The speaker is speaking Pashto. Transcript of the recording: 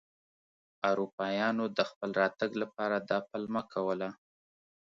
اروپایانو د خپل راتګ لپاره دا پلمه کوله.